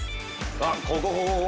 ◆あっ、ここ、ここ、ここ。